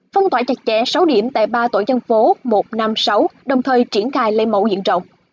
phong tỏa chặt chẽ sáu điểm tại ba tổ dân phố một năm sáu đồng thời triển khai lây mẫu diện rộng